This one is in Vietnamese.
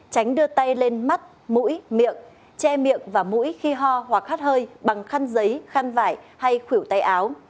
tránh đưa tay lên mắt mũi miệng che miệng và mũi khi ho hoặc hát hơi bằng khăn giấy khăn vải hay khủi tay áo